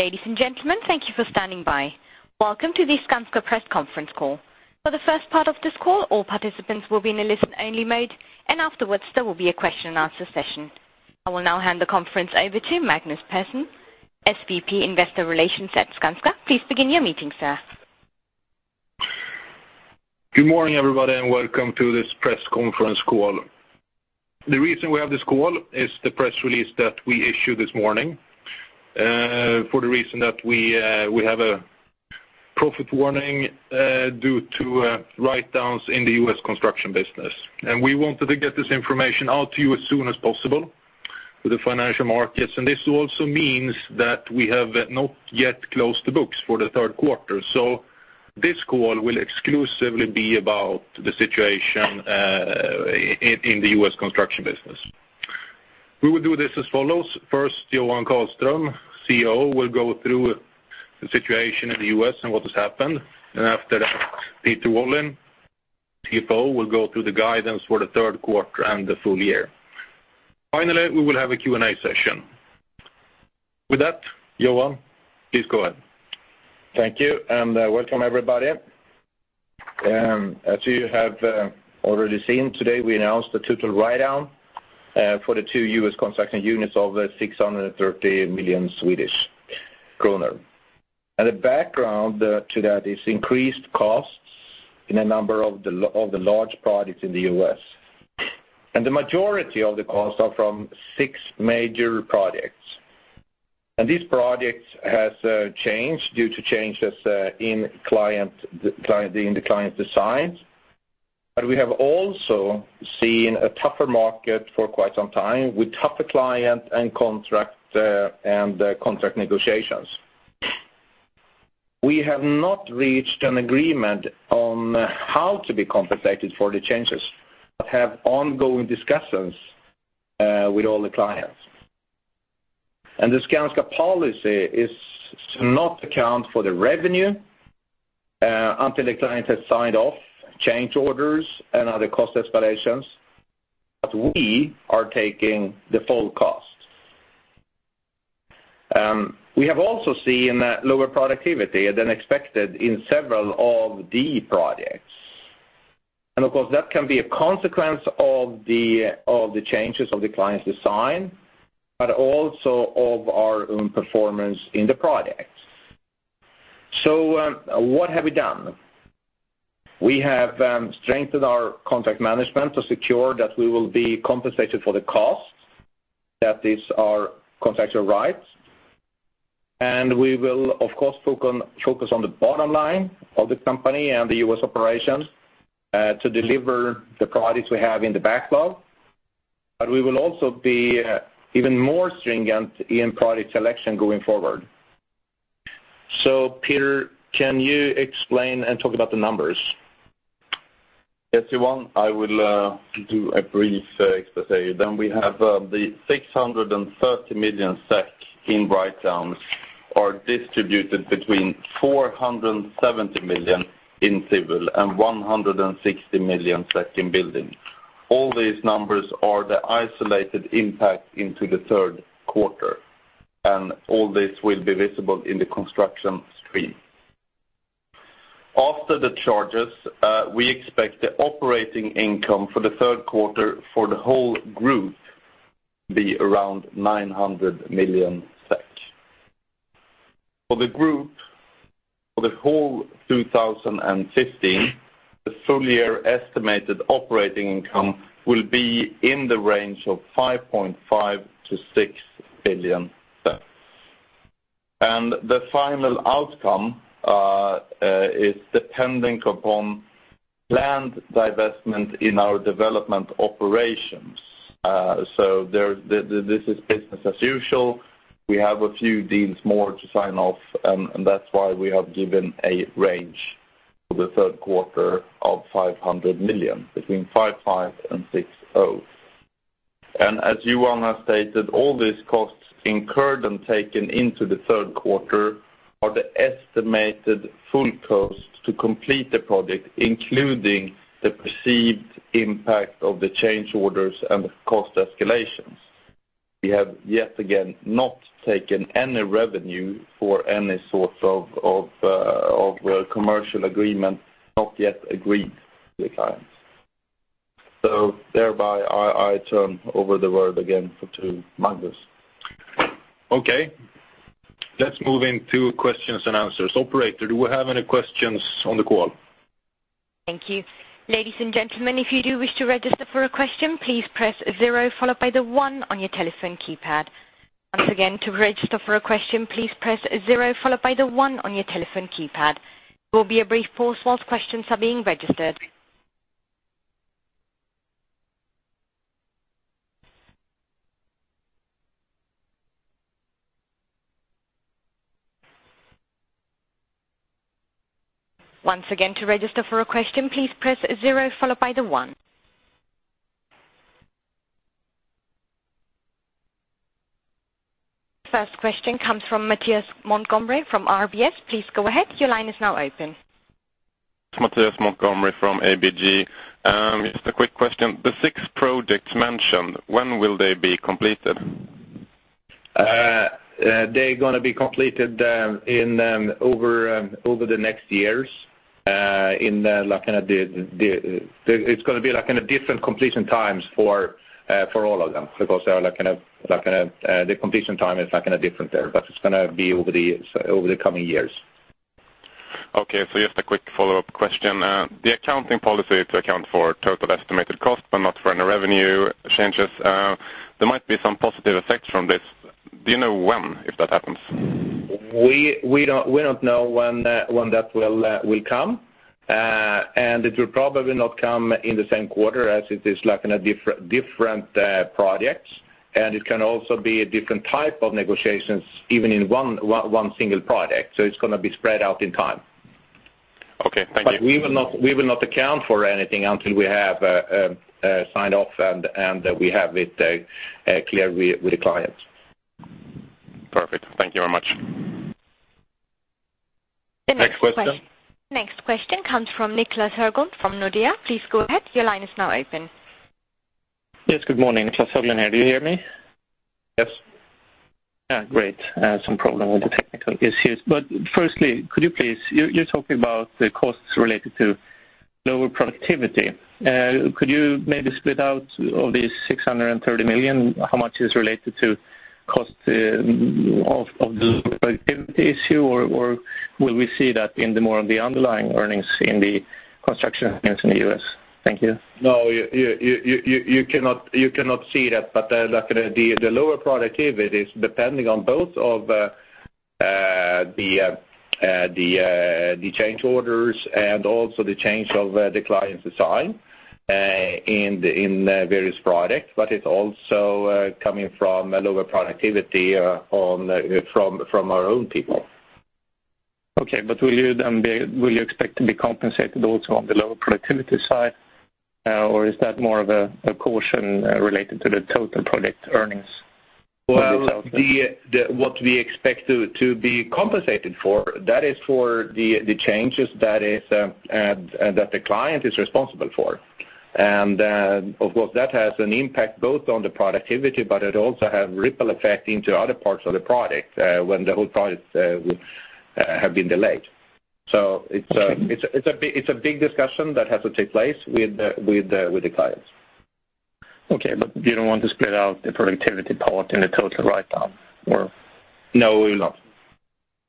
Ladies and gentlemen, thank you for standing by. Welcome to the Skanska press conference call. For the first part of this call, all participants will be in a listen-only mode, and afterwards, there will be a question-and-answer session. I will now hand the conference over to Magnus Persson, SVP, Investor Relations at Skanska. Please begin your meeting, sir. Good morning, everybody, and welcome to this press conference call. The reason we have this call is the press release that we issued this morning, for the reason that we have a profit warning, due to write-downs in the U.S. construction business. We wanted to get this information out to you as soon as possible to the financial markets, and this also means that we have not yet closed the books for the third quarter. This call will exclusively be about the situation in the U.S. construction business. We will do this as follows. First, Johan Karlström, CEO, will go through the situation in the U.S. and what has happened. After that, Peter Wallin, CFO, will go through the guidance for the third quarter and the full year. Finally, we will have a Q&A session. With that, Johan, please go ahead. Thank you, and welcome, everybody. As you have already seen today, we announced the total write-down for the two U.S. construction units of 630 million Swedish kronor. And the background to that is increased costs in a number of the large projects in the U.S. And the majority of the costs are from six major projects. And these projects has changed due to changes in the client's designs. But we have also seen a tougher market for quite some time, with tougher client and contract negotiations. We have not reached an agreement on how to be compensated for the changes, but have ongoing discussions with all the clients. And the Skanska policy is to not account for the revenue until the client has signed off change orders and other cost escalations, but we are taking the full cost. We have also seen lower productivity than expected in several of the projects. And of course, that can be a consequence of the changes of the client's design, but also of our own performance in the projects. So, what have we done? We have strengthened our contract management to secure that we will be compensated for the cost, that these are contractual rights. And we will, of course focus on the bottom line of the company and the US operations to deliver the products we have in the backlog. But we will also be even more stringent in projects selection going forward. So, Peter, can you explain and talk about the numbers? Yes, Johan, I will do a brief explanation. Then we have the 630 million SEK in write-downs distributed between 470 million in civil and 160 million SEK in building. All these numbers are the isolated impact into the third quarter, and all this will be visible in the construction stream. After the charges, we expect the operating income for the third quarter for the whole group to be around 900 million SEK. For the group, for the whole 2015, the full year estimated operating income will be in the range of 5.5 billion-6 billion. The final outcome is depending upon planned divestment in our development operations. So, this is business as usual. We have a few deals more to sign off, and that's why we have given a range for the third quarter of 500 million, between 550 million and 600 million. As Johan has stated, all these costs incurred and taken into the third quarter are the estimated full cost to complete the project, including the perceived impact of the change orders and the cost escalations. We have, yet again, not taken any revenue for any sorts of commercial agreement, not yet agreed to the clients. Thereby, I turn over the word again to Magnus. Okay. Let's move into questions and answers. Operator, do we have any questions on the call? Thank you. Ladies and gentlemen, if you do wish to register for a question, please press zero, followed by the one on your telephone keypad. Once again, to register for a question, please press zero, followed by the one on your telephone keypad. There will be a brief pause while questions are being registered. Once again, to register for a question, please press zero, followed by the one. First question comes from Mattias Holmberg from DNB Carnegie. Please go ahead. Your line is now open.... Mattias Holmberg from DNB. Just a quick question. The six projects mentioned, when will they be completed? They're gonna be completed over the next years. It's gonna be like in a different completion times for all of them because they are like in a the completion time is like in a different there, but it's gonna be over the years, over the coming years. Okay, so just a quick follow-up question. The accounting policy to account for total estimated cost, but not for any revenue changes, there might be some positive effects from this. Do you know when, if that happens? We don't know when that will come. And it will probably not come in the same quarter as it is, like, in different projects. And it can also be a different type of negotiations, even in one single project. So it's gonna be spread out in time. Okay, thank you. But we will not, we will not account for anything until we have signed off, and we have it clear with the client. Perfect. Thank you very much. The next question- Next question? Next question comes from Niclas Höglund from Nordea. Please go ahead. Your line is now open. Yes, good morning, Niclas Höglund here. Do you hear me? Yes. Great. I had some problem with the technical issues. But firstly, could you please... You talked about the costs related to lower productivity. Could you maybe split out of the 630 million, how much is related to cost, of the productivity issue? Or, will we see that in the more of the underlying earnings in the construction earnings in the U.S.? Thank you. No, you cannot see that, but like the lower productivity is depending on both of the change orders and also the change of the client's design in various products, but it's also coming from a lower productivity from our own people. Okay, but will you then expect to be compensated also on the lower productivity side, or is that more of a caution related to the total product earnings? Well, what we expect to be compensated for, that is for the changes that the client is responsible for. And, of course, that has an impact both on the productivity, but it also have ripple effect into other parts of the product, when the whole product have been delayed. So it's Okay... it's a big discussion that has to take place with the clients. Okay, but you don't want to split out the productivity part and the total write-down or? No, we will not.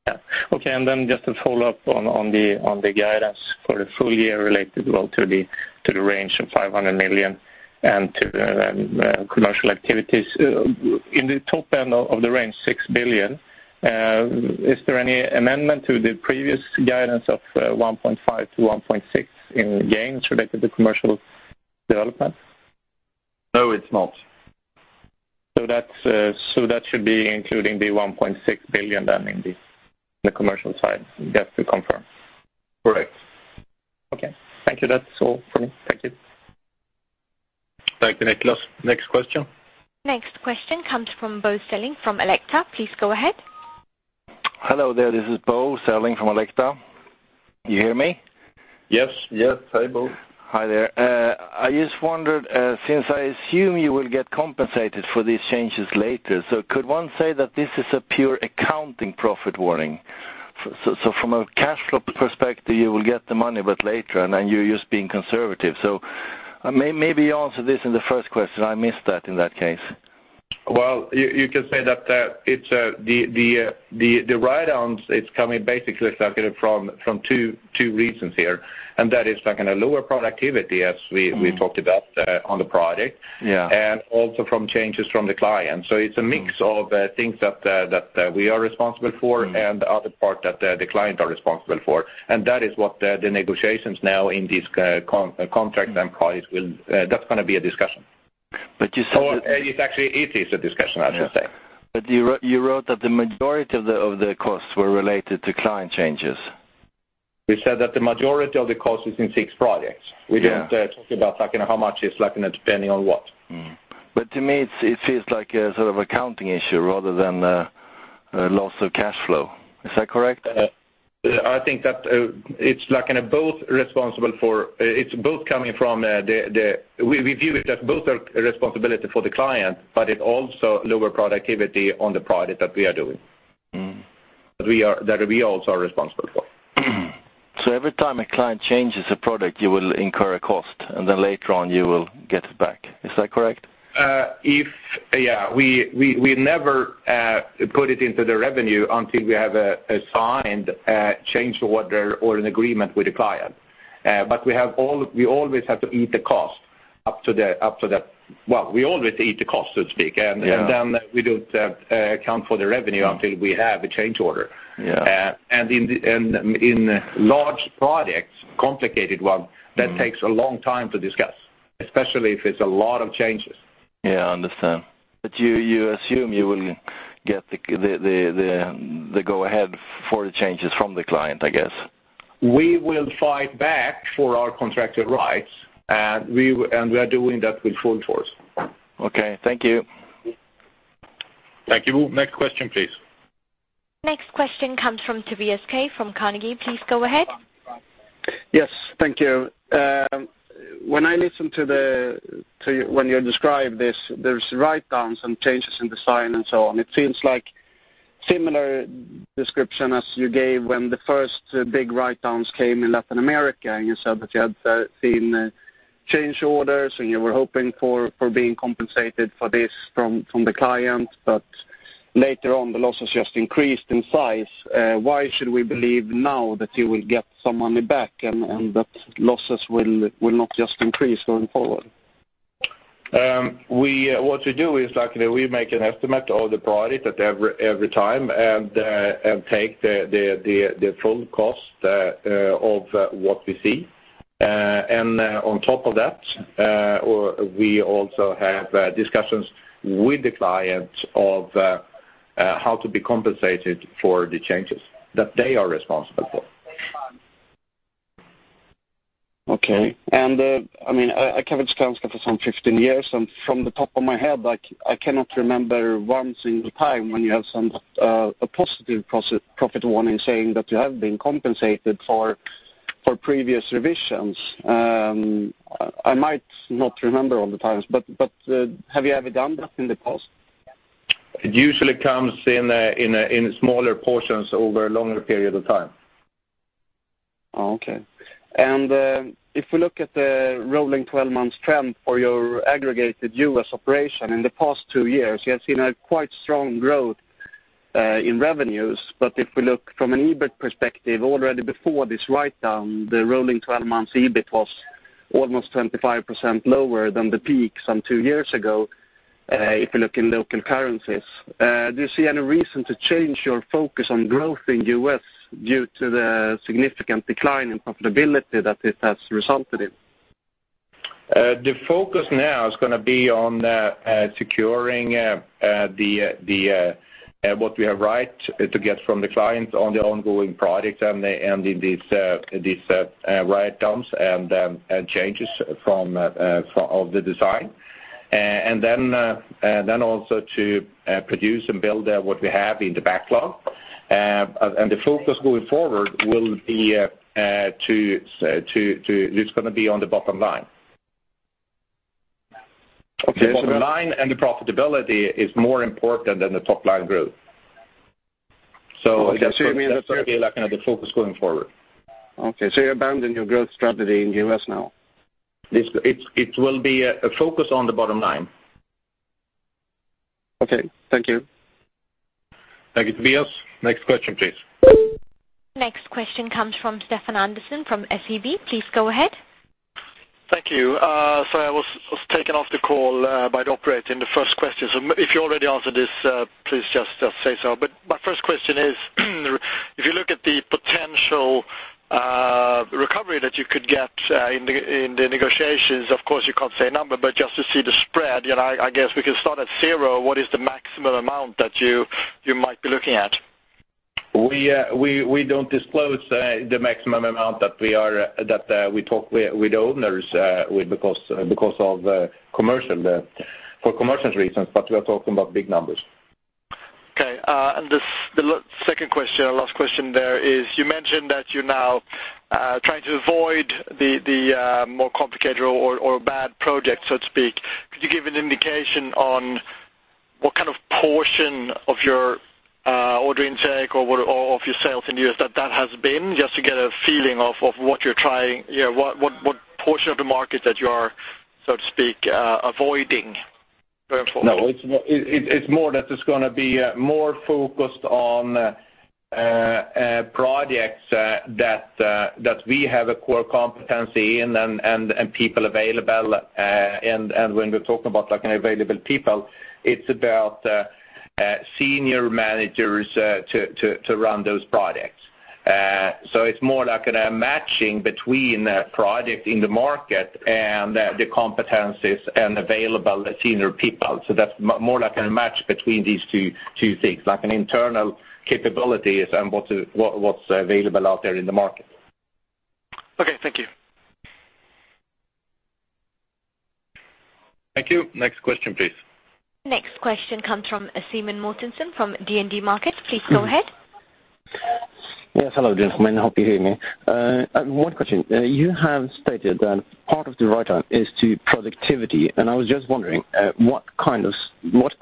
Yeah. Okay, and then just to follow up on the guidance for the full year related, well, to the range of 500 million and to the commercial activities. In the top end of the range, 6 billion, is there any amendment to the previous guidance of 1.5 billion-1.6 billion in gains related to commercial development? No, it's not. So that's, so that should be including 1.6 billion, then, in the, the commercial side, just to confirm? Correct. Okay, thank you. That's all for me. Thank you. Thank you, Niclas. Next question. Next question comes from Bo Selling from Alecta. Please go ahead. Hello there, this is Bo Selling from Alecta. You hear me? Yes. Yes. Hi, Bo. Hi there. I just wondered, since I assume you will get compensated for these changes later, so could one say that this is a pure accounting profit warning? So, from a cash flow perspective, you will get the money, but later, and then you're just being conservative. So maybe you answered this in the first question. I missed that in that case. Well, you can say that it's the write-downs. It's coming basically, like, from two reasons here, and that is, like, in a lower productivity, as we- Mm-hmm... we talked about on the product. Yeah. And also from changes from the client. So it's a mix of, things that we are responsible for- Mm... and the other part that, the client are responsible for. That is what the negotiations now in these contracts and clients will, that's gonna be a discussion. But you said that- It's actually, it is a discussion, I should say. Yeah. But you wrote, you wrote that the majority of the, of the costs were related to client changes. We said that the majority of the costs is in six projects. Yeah. We didn't talk about, like, you know, how much is, like, in a depending on what. Mm. But to me, it seems like a sort of accounting issue rather than a loss of cash flow. Is that correct? I think that it's like it's both responsible for... It's both coming from the way we view it as both a responsibility for the client, but it also lower productivity on the project that we are doing. Mm. But we are, that we also are responsible for. Every time a client changes a product, you will incur a cost, and then later on, you will get it back. Is that correct? Yeah, we never put it into the revenue until we have a signed change order or an agreement with the client. But we always have to eat the cost up to the... Well, we always eat the cost, so to speak- Yeah... and then we don't account for the revenue until we have a change order. Yeah. And in large projects, complicated one- Mm... that takes a long time to discuss, especially if it's a lot of changes. Yeah, I understand. But you assume you will get the go-ahead for the changes from the client, I guess? We will fight back for our contracted rights, and we are doing that with full force. Okay, thank you.... Thank you. Next question, please. Next question comes from Tobias Kaj from Carnegie. Please go ahead. Yes, thank you. When I listen to you when you describe this, there's write-downs and changes in design and so on. It seems like similar description as you gave when the first big write-downs came in Latin America, and you said that you had seen change orders, and you were hoping for being compensated for this from the client. But later on, the losses just increased in size. Why should we believe now that you will get some money back, and that losses will not just increase going forward? What we do is, like, we make an estimate of the product at every time, and take the full cost of what we see. On top of that, we also have discussions with the client of how to be compensated for the changes that they are responsible for. Okay. And, I mean, I covered Skanska for some 15 years, and from the top of my head, like, I cannot remember one single time when you have some a positive profit warning, saying that you have been compensated for previous revisions. I might not remember all the times, but have you ever done that in the past? It usually comes in smaller portions over a longer period of time. Oh, okay. If we look at the rolling twelve months trend for your aggregated U.S. operation in the past two years, you have seen a quite strong growth in revenues. But if we look from an EBIT perspective, already before this write-down, the rolling twelve months EBIT was almost 25% lower than the peak some two years ago, if you look in local currencies. Do you see any reason to change your focus on growth in U.S. due to the significant decline in profitability that this has resulted in? The focus now is gonna be on securing what we have right to get from the clients on the ongoing projects and these write-downs and changes from, from the design. Then also to produce and build what we have in the backlog. The focus going forward will be to, it's gonna be on the bottom line. Okay, so the Bottom line and the profitability is more important than the top-line growth. So I guess- So you mean the- That's really, like, the focus going forward. Okay, so you abandon your growth strategy in U.S. now? It will be a focus on the bottom line. Okay, thank you. Thank you, Tobias. Next question, please. Next question comes from Stefan Andersson from SEB. Please go ahead. Thank you. So I was taken off the call by the operator in the first question, so if you already answered this, please just say so. But my first question is, if you look at the potential recovery that you could get in the negotiations, of course, you can't say a number, but just to see the spread, I guess we can start at zero. What is the maximum amount that you might be looking at? We don't disclose the maximum amount that we are talking with the owners because of commercial reasons, but we are talking about big numbers. Okay, and the second question, or last question there is, you mentioned that you're now trying to avoid the more complicated or bad projects, so to speak. Could you give an indication on what kind of portion of your order intake or what, or of your sales in U.S. that that has been, just to get a feeling of what you're trying... Yeah, what portion of the market that you are, so to speak, avoiding going forward? No, it's more that it's gonna be more focused on projects that we have a core competency in and people available, and when we talk about, like, available people, it's about senior managers to run those projects. So it's more like in a matching between a project in the market and the competencies and available senior people. So that's more like a match between these two things, like internal capabilities and what's available out there in the market. Okay, thank you. Thank you. Next question, please. Next question comes from Simen Mortensen, from DNB Markets. Please go ahead. Yes, hello, gentlemen, hope you hear me. One question. You have stated that part of the writedown is to productivity, and I was just wondering, what kind of, what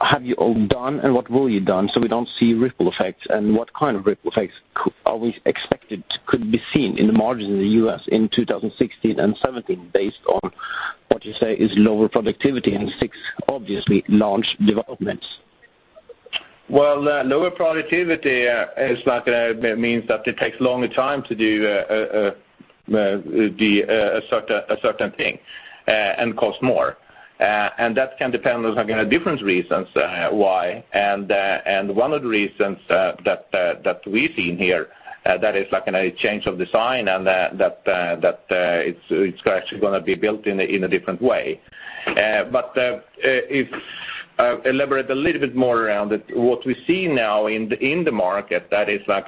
have you all done and what will you done so we don't see ripple effects? What kind of ripple effects are we expected could be seen in the margins in the U.S. in 2016 and 2017, based on what you say is lower productivity and six, obviously, large developments? Well, lower productivity is like means that it takes longer time to do a certain thing and cost more. And that can depend on like different reasons why, and one of the reasons that we see here that is like a change of design, and that it's actually gonna be built in a different way. But if elaborate a little bit more around it, what we see now in the market that is like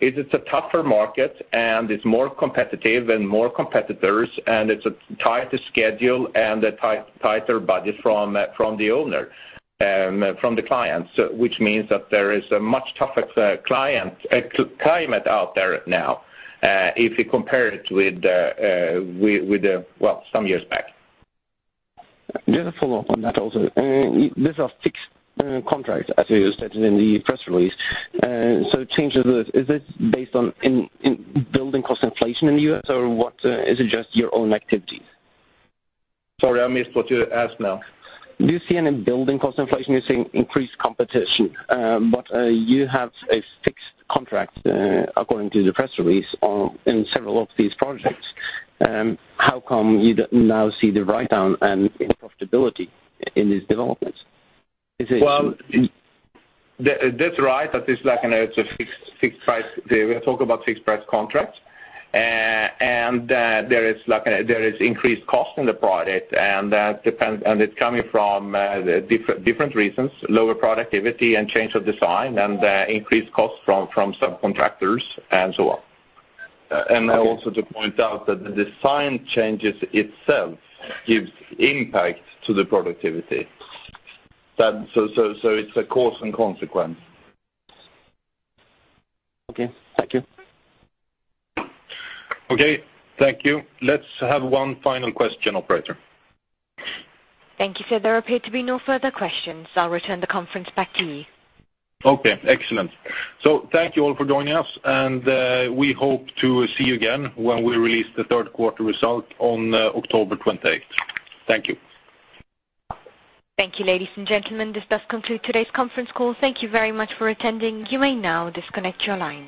it's a tougher market, and it's more competitive and more competitors, and it's a tighter schedule and a tighter budget from the owner. from the clients, which means that there is a much tougher client climate out there now, if you compare it with the, well, some years back. Just a follow-up on that also. These are fixed contracts, as you stated in the press release. So changes, is this based on in building cost inflation in the U.S., or what, is it just your own activities? Sorry, I missed what you asked now. Do you see any building cost inflation? You're seeing increased competition, but you have a fixed contract, according to the press release, on, in several of these projects. How come you now see the write-down and profitability in these developments? Is it- Well, that's right, that is like a fixed price. We talk about fixed price contracts. There is increased cost in the project, and that depends, and it's coming from different reasons, lower productivity and change of design, and increased costs from subcontractors, and so on. Okay. And also to point out that the design changes itself gives impact to the productivity. That, so it's a cause and consequence. Okay, thank you. Okay, thank you. Let's have one final question, operator. Thank you, sir. There appear to be no further questions. I'll return the conference back to you. Okay, excellent. So thank you all for joining us, and we hope to see you again when we release the third quarter result on October 28. Thank you. Thank you, ladies and gentlemen, this does conclude today's conference call. Thank you very much for attending. You may now disconnect your lines.